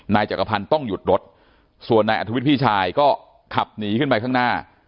จักรพันธ์ต้องหยุดรถส่วนนายอัธวิทย์พี่ชายก็ขับหนีขึ้นไปข้างหน้า